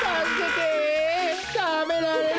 たべられる！